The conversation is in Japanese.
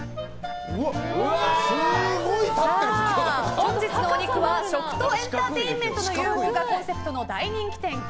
本日のお肉は食とエンターテインメントの融合がコンセプトの大人気店牛